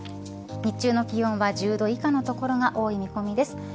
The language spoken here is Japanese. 日中の気温は１０度以下の所が多い見込みです。